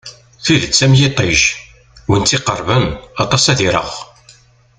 Tidet am yiṭij, win i tt-iqerben aṭas ad ireɣ.